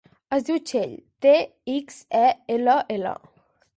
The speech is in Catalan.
Es diu Txell: te, ics, e, ela, ela.